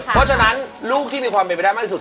เพราะฉะนั้นลูกที่มีความเป็นไปได้มากที่สุด